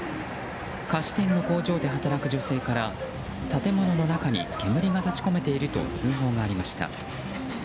菓子店の工場で働く女性から建物の中に煙が立ち込めていると通報がありました。